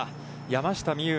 山下美夢